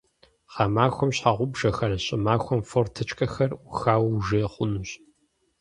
Гъэмахуэм щхьэгъубжэхэр, щӀымахуэм форточкэхэр Ӏухауэ ужей хъунущ.